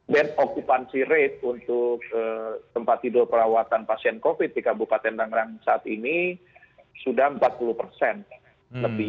dan okupansi rate untuk tempat tidur perawatan pasien covid sembilan belas di kabupaten bangra saat ini sudah empat puluh persen lebih